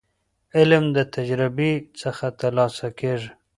علم له تجربې څخه ترلاسه کيږي.